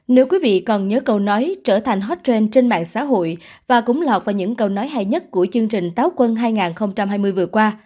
nếu quý vị còn nhớ câu nói trở thành hot trên mạng xã hội và cũng lọt vào những câu nói hay nhất của chương trình táo quân hai nghìn hai mươi vừa qua